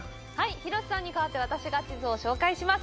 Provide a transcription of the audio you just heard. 広瀬さんに代わって、私が地図を紹介します。